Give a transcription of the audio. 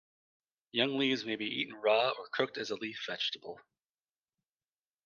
Young leaves may be eaten raw or cooked as a leaf vegetable.